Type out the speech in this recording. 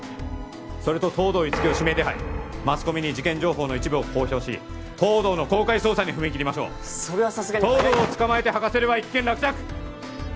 それと東堂樹生を指名手配マスコミに事件情報の一部を公表し東堂の公開捜査踏み切りましょうそれはさすがに早い東堂を捕まえて吐かせれば一件落着！